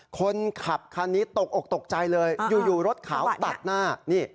คนขับคันนี้ตกอกตกใจเลยอยู่รถขาวตัดหน้านี่